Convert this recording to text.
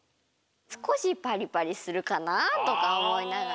すこしパリパリするかな？とかおもいながら。